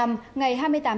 các nhiễm mới nào